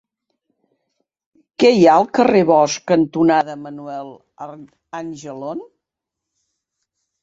Què hi ha al carrer Bosc cantonada Manuel Angelon?